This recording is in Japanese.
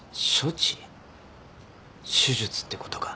手術ってことか？